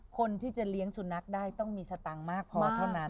คนที่จะเลี้ยงสุนัขได้ต้องมีสตังค์มากพอเท่านั้น